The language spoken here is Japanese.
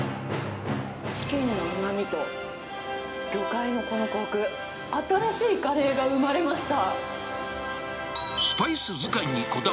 チキンのうまみと魚介のこのこく、新しいカレーが生まれました。